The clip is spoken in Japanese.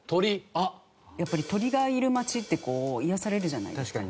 やっぱり鳥がいる街って癒やされるじゃないですか。